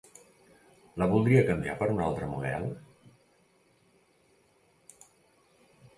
La voldria canviar per un altre model?